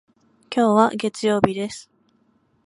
今日は月曜日です。